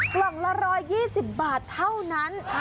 กล่องละ๑๒๐บาทเท่านั้น